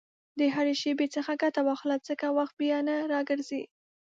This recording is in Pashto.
د هرې شېبې څخه ګټه واخله، ځکه وخت بیا نه راګرځي.